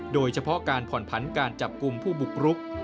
โดยเฉพาะการผ่อนผันการจับกลุ่มผู้บุกรุก